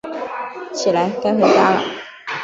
起来，该回家了